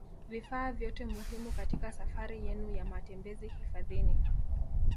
Vifaa vyote muhimu katika safari yenu ya matembezi hifadhini